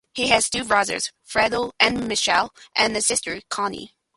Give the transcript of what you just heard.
He has two brothers, Fredo and Michael, and a sister, Connie.